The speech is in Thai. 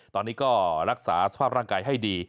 ตอนนี้ก็รักษาสภาพร่างกายให้ดี